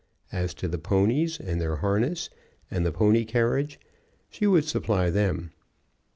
As to the ponies, and their harness, and the pony carriage, she would supply them.